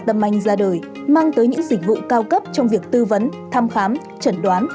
tâm anh ra đời mang tới những dịch vụ cao cấp trong việc tư vấn thăm khám chẩn đoán